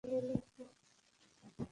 উধামপুর বেজে নতুন পরিবর্তন আসছে।